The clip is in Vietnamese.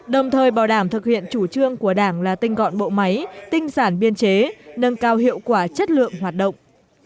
đồng thời bảo đảm thực hiện chủ trương của đảng là tinh gọn bộ máy tinh sản biên chế nâng cao hiệu quả chất lượng hoạt động